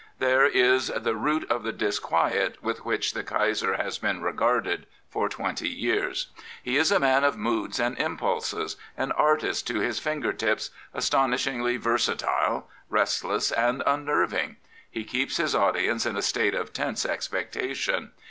There is the root of the disquiet with which the Kaiser has been regarded for twenty years. He is a man of moods and impulses, an artist to his finger tips, astonishingly versatile, restless, and imnerving. He keeps his audience in a state of tense expectation.